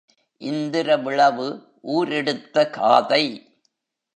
இந்திரவிழவு ஊர் எடுத்த காதை.